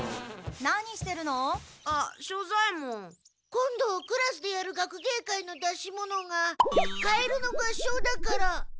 今度クラスでやる学芸会の出し物が「カエルの合唱」だから。